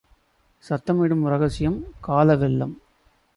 சத்தமிடும் ரகசியம். காலவெள்ளம்